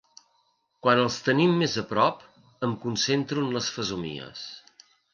Quan els tenim més a prop em concentro en les fesomies.